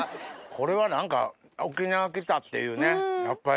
これは何か沖縄来たっていうねやっぱり。